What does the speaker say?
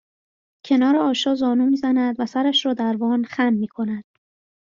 کنار آشا زانو میزند و سرش را در وان خم می کند